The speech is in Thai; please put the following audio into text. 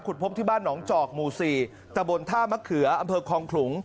พบที่บ้านหนองจอกหมู่๔ตะบนท่ามะเขืออำเภอคลองขลุง